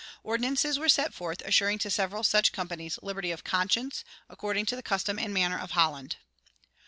Ordinances were set forth assuring to several such companies "liberty of conscience, according to the custom and manner of Holland."